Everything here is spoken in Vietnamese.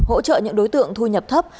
hỗ trợ những đối tượng thu nhập thấp